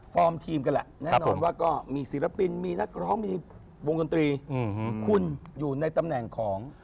ทีมกันแหละแน่นอนว่าก็มีศิลปินมีนักร้องมีวงดนตรีคุณอยู่ในตำแหน่งของ